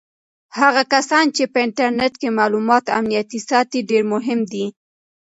هغه کسان چې په انټرنیټ کې د معلوماتو امنیت ساتي ډېر مهم دي.